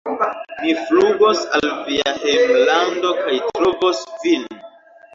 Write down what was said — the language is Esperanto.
Mi flugos al via hejmlando kaj trovos vin